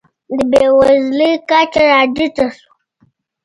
د بېوزلۍ کچه راټیټه شوه.